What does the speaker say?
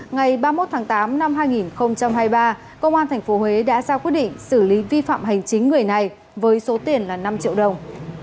ngày ba mươi một tháng tám năm hai nghìn hai mươi ba công an tp huế đã ra quyết định xử lý vi phạm hành chính người này với số tiền là năm triệu đồng